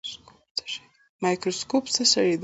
مایکروسکوپ څه شی دی؟